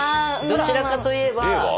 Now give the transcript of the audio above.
どちらかと言えば令和？